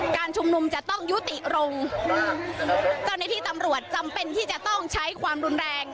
การชุมนุมจะต้องยุติลงเจ้าหน้าที่ตำรวจจำเป็นที่จะต้องใช้ความรุนแรง